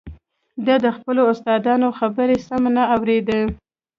ده د خپلو استادانو خبرې سمې نه اورېدې